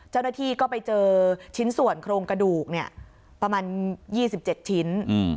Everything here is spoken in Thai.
เจ้าหน้าที่ก็ไปเจอชิ้นส่วนโครงกระดูกประมาณ๒๗ชิ้น